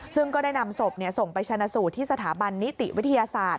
ซึ่งก็ได้นำศพส่งไปชนะสูตรที่สถาบันนิติวิทยาศาสตร์